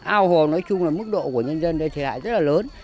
ao hồ nói chung là mức độ của nhân dân đây thiệt hại rất là lớn